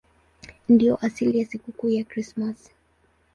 Ndiyo asili ya sikukuu ya Krismasi.